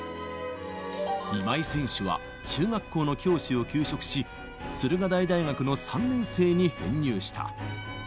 今井選手は中学校の教師を休職し、駿河台大学の３年生に編入した。